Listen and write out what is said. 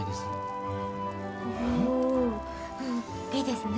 おいいですね！